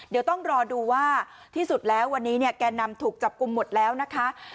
เดี๋ยวต้องรอดูว่าที่สุดแล้ววันนี้เนี่ยแกนนำถูกจับกลุ่มหมดแล้วนะคะ